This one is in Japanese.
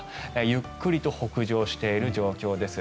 ゆっくりと北上している状況です。